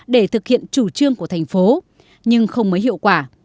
để thực hiện chủ trương của thành phố nhưng không mới hiệu quả